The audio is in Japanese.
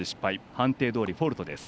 判定どおりフォールトです。